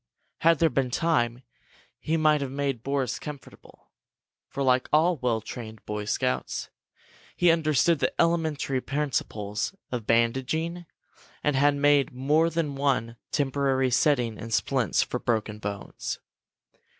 Had there been time, he might have made Boris comfortable, for, like all well trained Boy Scouts, he understood the elementary principles of bandaging and had made more than one temporary setting in splints for broken bones.